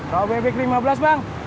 kalau bebek lima belas bang